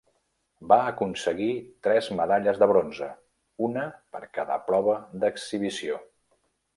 Va aconseguir tres medalles de bronze, una per cada prova d'exhibició.